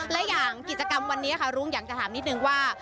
และอย่างกิจกรรมวันนี้ค่ะรุ้งอยากจะถามนิดนึงว่า